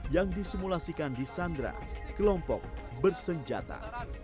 yang disimulasikan di sandra kelompok bersenjata